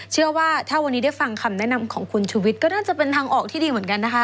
เชื่อว่าถ้าวันนี้ได้ฟังคำแนะนำของคุณชุวิตก็น่าจะเป็นทางออกที่ดีเหมือนกันนะคะ